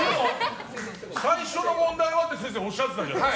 最初の問題って先生、おっしゃってたじゃない。